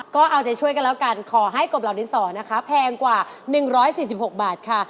ก็เอาใจช่วยกันแล้วกันขอให้กบเหล่าดินสอนะคะแพงกว่า๑๔๖บาทค่ะ